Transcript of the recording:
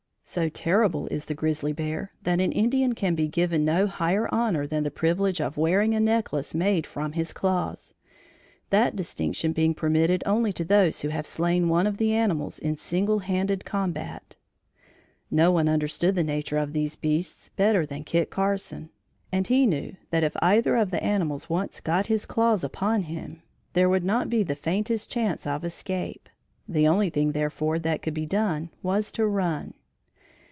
So terrible is the grizzly bear, that an Indian can be given no higher honor than the privilege of wearing a necklace made from his claws that distinction being permitted only to those who have slain one of the animals in single handed combat. No one understood the nature of these beasts better than Kit Carson and he knew that if either of the animals once got his claws upon him, there would not be the faintest chance of escape. The only thing therefore that could be done was to run.